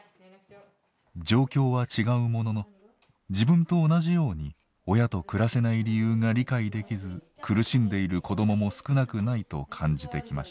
状況は違うものの自分と同じように親と暮らせない理由が理解できず苦しんでいる子どもも少なくないと感じてきました。